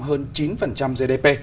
hơn chín gdp